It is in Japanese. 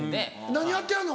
何やってはるの？